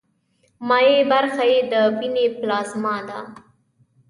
مایع برخه یې د ویني پلازما ده.